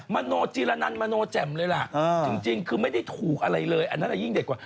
มโนจีรนันมโนแจ่มเลยล่ะจริงคือไม่ได้ถูกอะไรเลยอันนั้นยิ่งเด็กกว่า